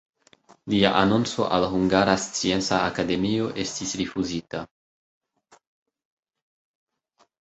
Lia anonco al Hungara Scienca Akademio estis rifuzita.